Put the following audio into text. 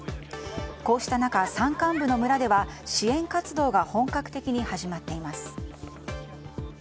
こうした中、山間部の村では支援活動が本格的に始まっています。